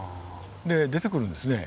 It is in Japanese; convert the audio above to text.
で出てくるんですね